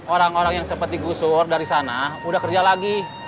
orang orang yang seperti gusur dari sana udah kerja lagi